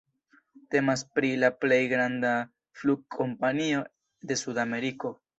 Temas pri la plej granda flugkompanio de Sudameriko.